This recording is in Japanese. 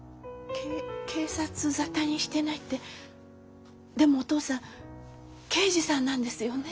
け警察沙汰にしてないってでもお父さん刑事さんなんですよね？